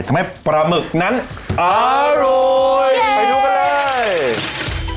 ทำให้ปลาหมึกนั้นอร่อยไปดูกันเลย